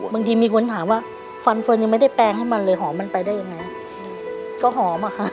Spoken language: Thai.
มีคนถามว่าฟันเฟิร์นยังไม่ได้แปลงให้มันเลยหอมมันไปได้ยังไงก็หอมอะค่ะ